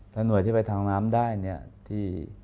ถ้าหน่วยที่ไปทางน้ำได้